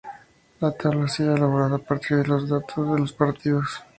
La tabla ha sido elaborada a partir de los datos de los partidos.